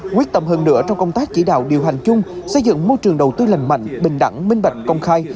quyết tâm hơn nữa trong công tác chỉ đạo điều hành chung xây dựng môi trường đầu tư lành mạnh bình đẳng minh bạch công khai